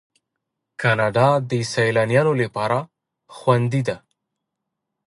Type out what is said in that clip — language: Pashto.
کاناډا د سیلانیانو لپاره خوندي ده.